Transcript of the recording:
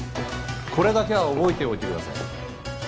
これだけは覚えておいてください。